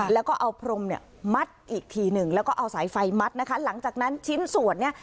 แล้วก็เอาพรมเนี่ยมัดอีกทีหนึ่งแล้วก็เอาสายไฟมัดนะคะหลังจากนั้นชิ้นส่วนเนี่ย